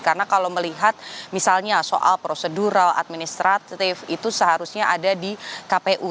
karena kalau melihat misalnya soal prosedural administratif itu seharusnya ada di kpu